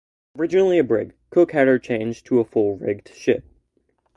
Originally a brig, Cook had her changed to a full rigged ship.